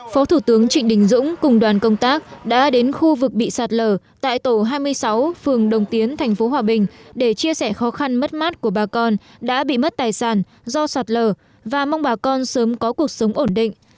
phó thủ tướng trịnh đình dũng cùng đoàn công tác đã đến khu vực bị sạt lở tại tổ hai mươi sáu phường đồng tiến thành phố hòa bình để chia sẻ khó khăn mất mát của bà con đã bị mất tài sản do sạt lở và mong bà con sớm có cuộc sống ổn định